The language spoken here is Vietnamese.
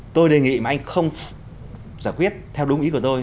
tôi đề nghị mà anh không giải quyết theo đúng ý của tôi